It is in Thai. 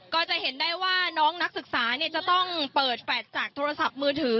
ก็จะเห็นได้ว่าน้องนักศึกษาจะต้องเปิดแฟลตจากโทรศัพท์มือถือ